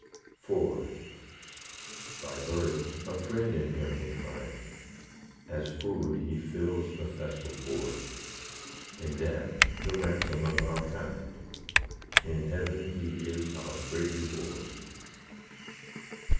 IV By birth a friend in Him we find; As food He fills the festal board; In death the ransom of our kind; In heaven He is our great reward.